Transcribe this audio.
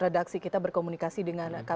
ada ada reaksi kita berkomunikasi dengan kpu